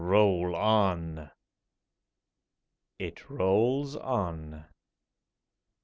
Roll on! [It rolls on.